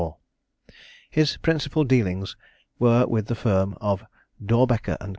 His principal dealings were with the firm of Dorbecker and Co.